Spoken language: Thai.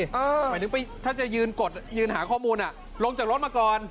หมายถึงถ้าจะยืนกดยืนหาข้อมูลลงจากรถมาก่อน